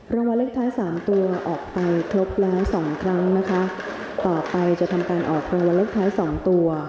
รางวัลเลขท้ายสามตัวออกไปครบแล้วสองครั้งนะคะต่อไปจะทำการออกรางวัลเลขท้ายสองตัว